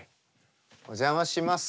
お邪魔します。